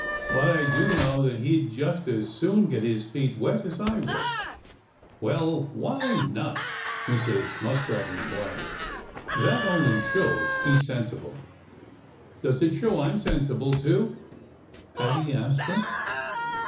But I do know that he'd just as soon get his feet wet as I would." "Well, why not?" Mrs. Muskrat inquired. "That only shows he's sensible." "Does it show I'm sensible, too?" Paddy asked her.